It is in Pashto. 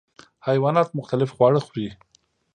حیوانات مختلف خواړه خوري.